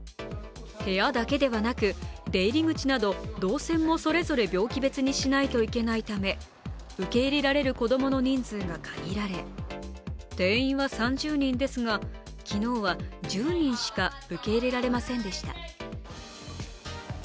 部屋だけではなく、出入り口など動線もそれぞれ病気別にしないといけないため受け入れられる子供の人数が限られ定員は３０人ですが昨日は１０人しか受け入れられませんでした。